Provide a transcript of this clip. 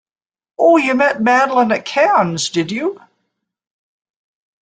Oh, you met Madeline at Cannes, did you?